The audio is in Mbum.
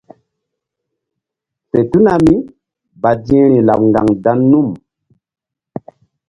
Fe tuna mí badi̧hri laɓ ŋgaŋ dan num.